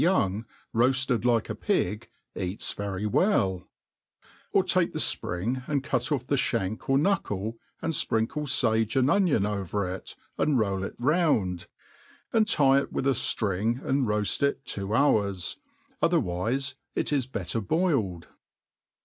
^ung, roaided like a pig^ eats very well ; or take the fpringf and cut off the Qiank or knuckle^ and fprinkle fage and onioii: over it, '^and roll it round, and tye it with a firing, and /oaic.; it two hours, otherwife it is better boiled.